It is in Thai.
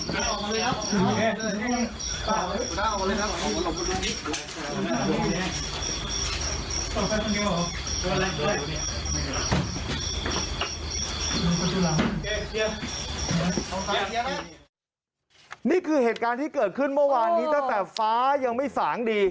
นี่คือเหตุการณ์ที่เกิดขึ้นเมื่อวานนี้ตั้งแต่ฟ้ายังไม่สางดี